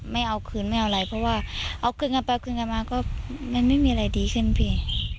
ไม่เอาคืนไม่เอาอะไรเพราะว่าเอาคืนกันไปกึ่งกันมาก็มันไม่มีอะไรดีขึ้นพี่